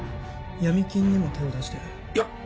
闇金にも手を出してるいや